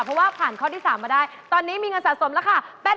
เพราะว่าผ่านข้อที่๓มาได้ตอนนี้มีเงินสะสมราคา๘๐๐๐บาท